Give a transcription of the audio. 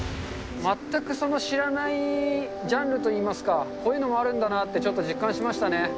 全く知らないジャンルといいますか、こういうのもあるんだなってちょっと実感しましたね。